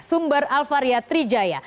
sumber alpharia trijaya